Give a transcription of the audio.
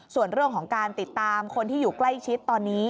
ส่วนเรื่องของการติดตามคนที่อยู่ใกล้ชิดตอนนี้